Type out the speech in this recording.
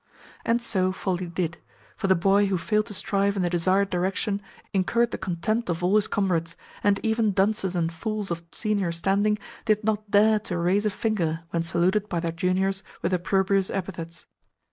And so folly did, for the boy who failed to strive in the desired direction incurred the contempt of all his comrades, and even dunces and fools of senior standing did not dare to raise a finger when saluted by their juniors with opprobrious epithets.